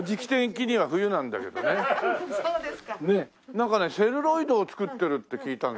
なんかねセルロイドを作ってるって聞いたんで。